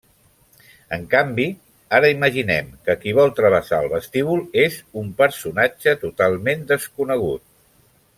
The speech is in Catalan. En canvi, ara imaginem que qui vol travessar el vestíbul és un personatge totalment desconegut.